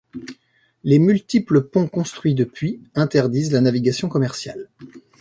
Les multiples ponts construits depuis interdisent la navigation commerciale.